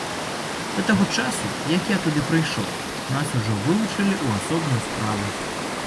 Да таго часу, як я туды прыйшоў, нас ужо вылучылі ў асобную справу.